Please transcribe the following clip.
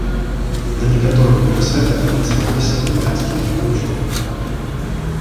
На некаторых гарсэтах мацаваліся падвязкі для панчох.